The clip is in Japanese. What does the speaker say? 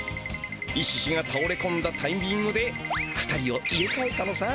イシシがたおれこんだタイミングで２人を入れかえたのさ。